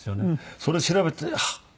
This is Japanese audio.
それ調べてあっ